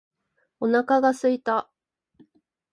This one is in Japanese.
お腹が空いた。